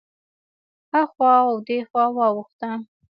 هخوا او دېخوا واوښته.